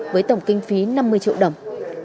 với tổng kinh phí năm mươi triệu đồng